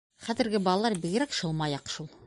Хәҙерге балалар бигерәк шылмаяҡ шул.